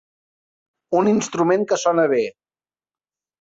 Un instrument que sona bé.